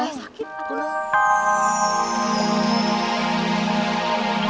eh enak juga